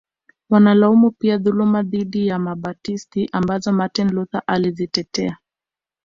Wanalaumu pia dhuluma dhidi ya Wabatisti ambazo Martin Luther alizitetea